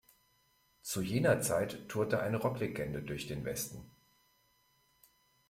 Zu jener Zeit tourte eine Rockerlegende durch den Westen.